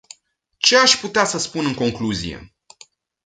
Ce aș putea să spun în concluzie?